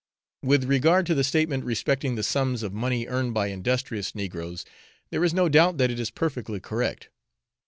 With regard to the statement respecting the sums of money earned by industrious negroes, there is no doubt that it is perfectly correct.